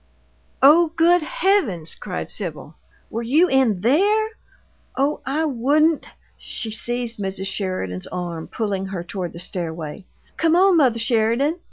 "Oh, good heavens!" cried Sibyl. "Were you in THERE? Oh, I wouldn't " She seized Mrs. Sheridan's arm, pulling her toward the stairway. "Come on, mother Sheridan!"